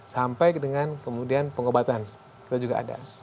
sampai kemudian dengan pengobatan itu juga ada